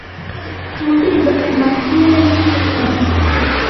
Mu ndirimbo Clemantine Nigute Clemantine yapfuye